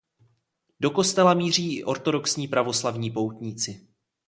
Do kostela míří i ortodoxní pravoslavní poutníci.